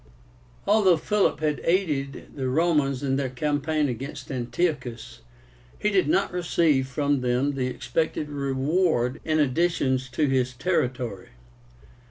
Although Philip had aided the Romans in their campaign against Antiochus, he did not receive from them the expected reward in additions to his territory.